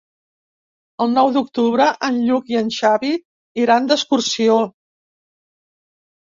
El nou d'octubre en Lluc i en Xavi iran d'excursió.